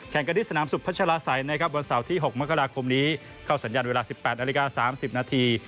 กันที่สนามสุพัชลาศัยนะครับวันเสาร์ที่๖มกราคมนี้เข้าสัญญาณเวลา๑๘นาฬิกา๓๐นาที